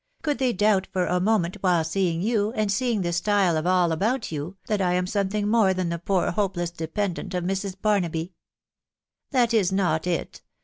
Could they doubt for a moment, while seeing you, and seeing the style of all about you, that I am something more than the poor hopeless dependant of Mrs, Barnahy?"" " That is not it.